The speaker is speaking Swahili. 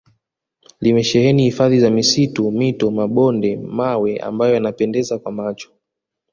limesheheni hifadhi za misitu mito mabonde mawe ambayo yanapendeza kwa macho